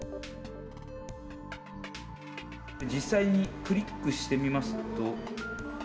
実際にクリックしてみますと。